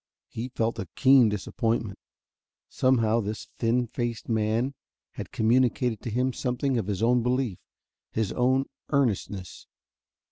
He felt a keen disappointment. Somehow this thin faced man had communicated to him something of his own belief, his own earnestness.